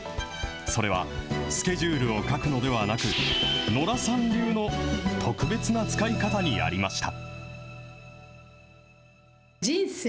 それは、スケジュールを書くのではなく、ノラさん流の特別な使い方にありました。